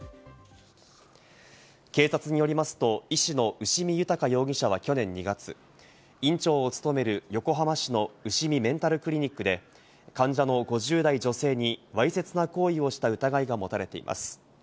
警察によりますと医師の牛見豊容疑者は去年２月、院長を務める横浜市のうしみメンタルクリニックで患者の５０代女性にわいせつな行為をした疑いが持たれています。